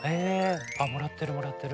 もらってるもらってる。